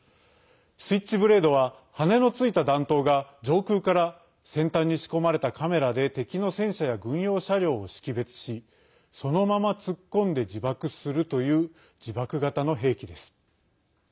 スイッチブレードは羽のついた弾頭が上空から先端に仕込まれたカメラで敵の戦車や軍用車両を識別しそのまま突っ込んで自爆するという自爆型の兵器です。